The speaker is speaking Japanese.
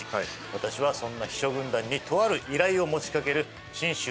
私はそんな秘書軍団にとある依頼を持ちかける信州